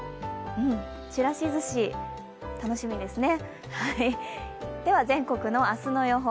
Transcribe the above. ちらし寿司、楽しみですね。